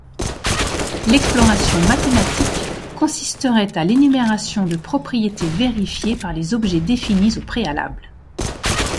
L'exploration mathématique consisterait à l'énumération de propriétés vérifiées par les objets définis au préalable.